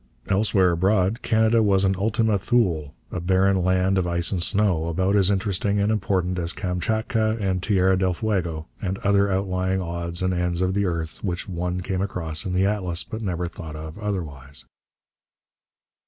Elsewhere abroad, Canada was an Ultima Thule, a barren land of ice and snow, about as interesting and important as Kamchatka and Tierra del Fuego, and other outlying odds and ends of the earth which one came across in the atlas but never thought of otherwise.